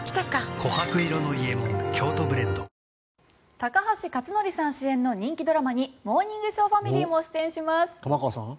高橋克典さん主演の人気ドラマに「モーニングショー」ファミリーが出演します。